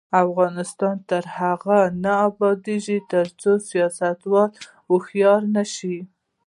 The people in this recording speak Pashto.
افغانستان تر هغو نه ابادیږي، ترڅو سیاستوال هوښیار نشي.